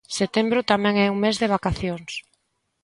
Setembro tamén é un mes de vacacións.